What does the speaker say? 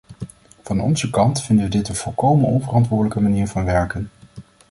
Van onze kant vinden we dit een volkomen onverantwoordelijke manier van werken.